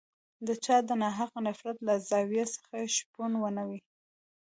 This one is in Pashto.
د چا د ناحقه نفرت له زاویې څخه شپون ونه وینم.